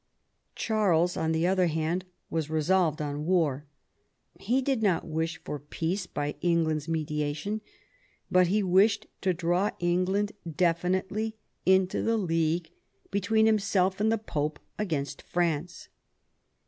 Charles on the other hand was resolved on war ; he did not wish for peace by England's mediation, but he wished to draw England definitely into the league between himself and the Pope against France.